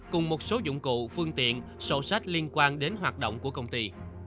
cùng một số dụng cụ phương tiện sổ sách liên quan đến hoạt động của công ty